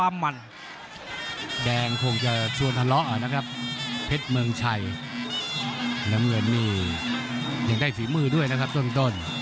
จีบอังเงินน้ำเงินยังได้ฝีมือด้วยนะครับต้น